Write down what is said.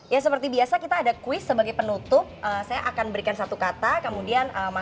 ya seperti biasa kita ada quiz sebagai penutup saya akan berikan satu kata kemudian mas dias kasih tanggapan dua orang